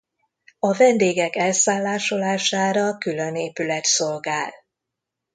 A vendégek elszállásolására külön épület szolgál.